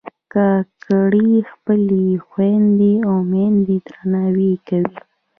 کاکړي خپلې خویندې او میندې درناوي کوي.